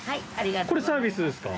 これサービスですか？